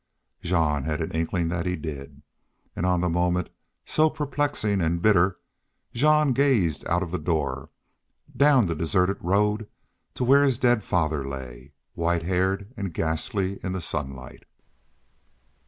Jean had an inkling that he did. And on the moment, so perplexing and bitter, Jean gazed out the door, down the deserted road to where his dead father lay, white haired and ghastly in the sunlight.